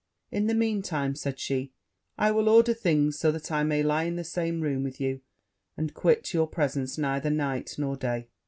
'In the mean time,' said she, 'I will order things so that I may lie in the same room with you, and quit your presence neither night nor day.'